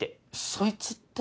そいつって？